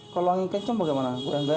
kalau angin kencang bagaimana